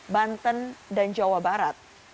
banten dan jawa barat